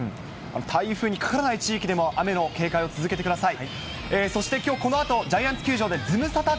台風にかからない地域でも、雨の警戒を続けてください。